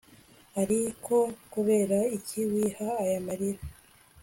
Ariko kubera iki wiha aya marira